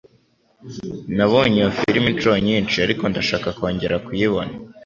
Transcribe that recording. Nabonye iyo firime inshuro nyinshi, ariko ndashaka kongera kuyibona.